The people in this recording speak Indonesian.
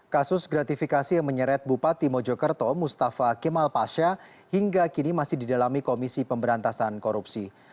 kasus gratifikasi yang menyeret bupati mojokerto mustafa kemal pasha hingga kini masih didalami komisi pemberantasan korupsi